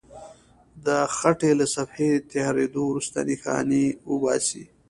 د خټې له صفحې تیارېدو وروسته نښانې وباسئ.